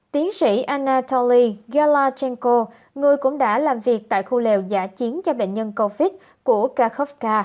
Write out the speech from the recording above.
tiến sĩ anatoly galachenko người cũng đã làm việc tại khu liều giả chiến cho bệnh nhân covid của kharkovka